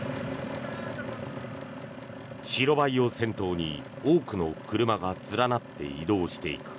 白バイを先頭に多くの車が連なって移動していく。